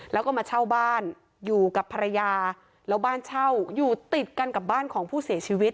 แล้วก็มาเช่าบ้านอยู่กับภรรยาแล้วบ้านเช่าอยู่ติดกันกับบ้านของผู้เสียชีวิต